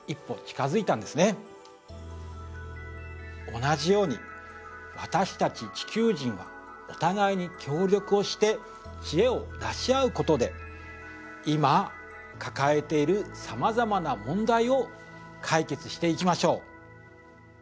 これは同じように私たち地球人はお互いに協力をして知恵を出し合うことで今抱えている様々な問題を解決していきましょう。